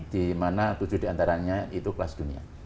di mana tujuh diantaranya itu kelas dunia